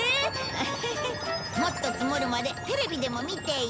ハハハッもっと積もるまでテレビでも見てよう。